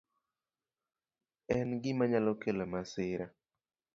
En gima nyalo kelo masira..